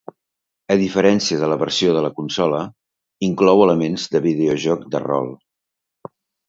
A diferència de la versió de la consola, inclou elements de videojoc de rol.